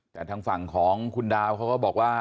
แต่ทางฝั่งของคุณดาวเขาก็บอกว่า